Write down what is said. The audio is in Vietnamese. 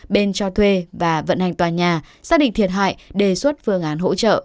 bên cho thuê và vận hành tòa nhà xác định thiệt hại đề xuất phương án hỗ trợ